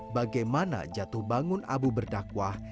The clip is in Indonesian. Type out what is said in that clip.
bagaimana jatuh bangun abu berdakwah